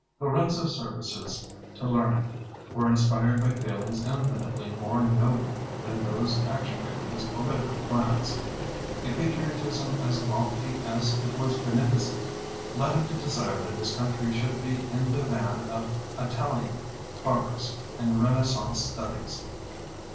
Lorenzo's services to learning were inspired by feelings infinitely more noble than those actuating his political plans. A patriotism as lofty as it was beneficent led him to desire that his country should be in the van of Italian progress in Renaissance studies.